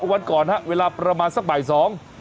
วันก่อนฮะเวลาประมาณสักบ่ายสอง